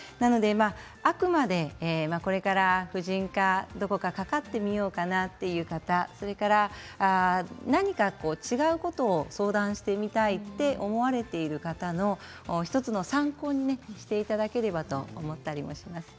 あくまで、これから婦人科どこかかかってみようかなという方それから何か違うことを相談してみたいと思われている方の１つの参考にしていただければと思ったりもします。